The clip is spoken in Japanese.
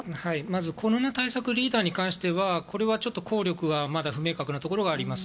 コロナ対策リーダーに関してはこれは、効力がまだ不明確なところがあります。